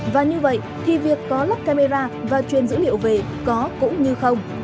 và như vậy thì việc có lắp camera và truyền dữ liệu về có cũng như không